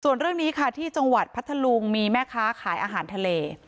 ส่วนเรื่องนี้ค่ะที่จังหวัดพัทธลุงมีแม่ค้าขายอาหารทะเล